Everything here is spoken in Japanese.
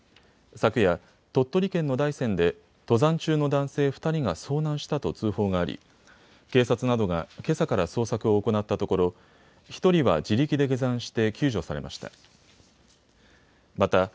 昨夜、鳥取県の大山で登山中の男性２人が遭難したと通報があり警察などがけさから捜索を行ったところ、１人は自力で下山して救助されました。